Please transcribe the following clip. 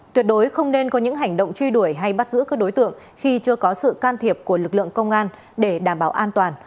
tuyệt đối không nên có những hành động truy đuổi hay bắt giữ các đối tượng khi chưa có sự can thiệp của lực lượng công an để đảm bảo an toàn